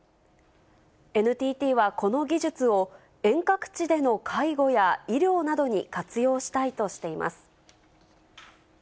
ＮＴＴはこの技術を遠隔地での介護や医療などに活用したいとしています。